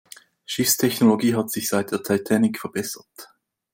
Schiffstechnologie hat sich seit der Titanic verbessert.